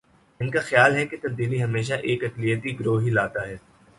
ان کا خیال ہے کہ تبدیلی ہمیشہ ایک اقلیتی گروہ ہی لاتا ہے۔